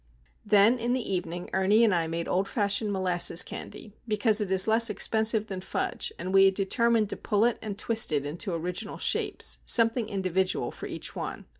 Then in the evening Ernie and I made old fashioned molasses candy, because it is less expensive than fudge and we had determined to pull it and twist it into original shapes, something individual for each one.